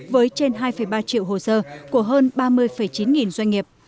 với trên hai ba triệu hồ sơ của hơn ba mươi chín nghìn doanh nghiệp